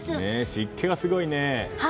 湿気がすごいね。